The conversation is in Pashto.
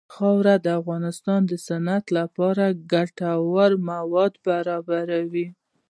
خاوره د افغانستان د صنعت لپاره ګټور مواد برابروي.